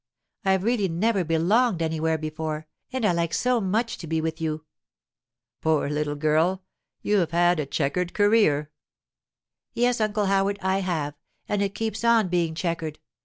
I've really never belonged anywhere before, and I like so much to be with you.' 'Poor little girl! You have had a chequered career.' 'Yes, Uncle Howard, I have; and it keeps on being chequered!